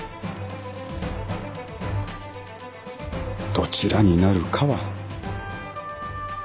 どちらになるかは。